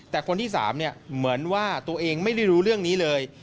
แต่คนที่๓เหมือนว่าตัวเองไม่ได้รู้เรื่องนี้เลย